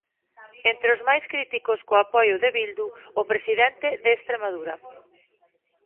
Entre os máis críticos co apoio de Bildu, o presidente de Estremadura.